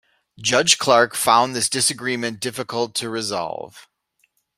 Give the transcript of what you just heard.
Judge Clark found this disagreement difficult to resolve.